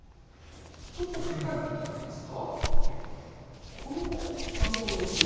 ちょっと振り返って頂けますか？